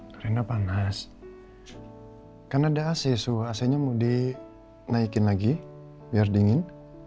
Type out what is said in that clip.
karena panas karena ada asyik suhu aslinya mau di naikin lagi biar dingin